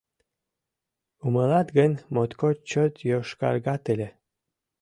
Умылат гын, моткоч чот йошкаргат ыле.